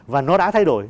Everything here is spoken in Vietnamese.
và nó đã thay đổi